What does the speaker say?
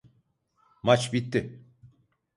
Maç bitti!